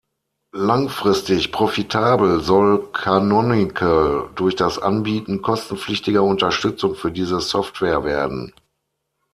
Langfristig profitabel soll Canonical durch das Anbieten kostenpflichtiger Unterstützung für diese Software werden.